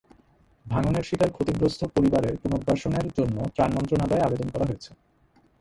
ভাঙনের শিকার ক্ষতিগ্রস্ত পরিবারের পুনর্বাসনের জন্য ত্রাণ মন্ত্রণালয়ে আবেদন করা হয়েছে।